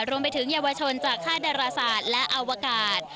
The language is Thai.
รวมไปถึงเยาวชนจากค่าดราศาสตร์และอวกาศ